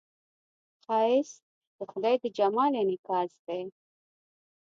ښایست د خدای د جمال انعکاس دی